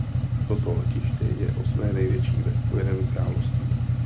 Toto letiště je osmé největší ve Spojeném království.